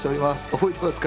覚えてますか？